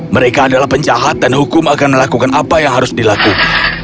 mereka adalah penjahat dan hukum akan melakukan apa yang harus dilakukan